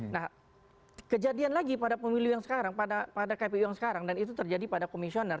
nah kejadian lagi pada pemilu yang sekarang pada kpu yang sekarang dan itu terjadi pada komisioner